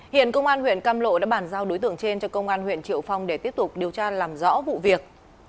hiện công an huyện cam lộ đã bàn giao đối tượng trên cho công an huyện triệu phong để tiếp tục điều tra làm rõ vụ việc